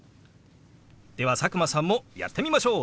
では佐久間さんもやってみましょう！